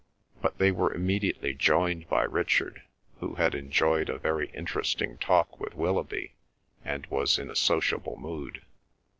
But they were immediately joined by Richard, who had enjoyed a very interesting talk with Willoughby and was in a sociable mood.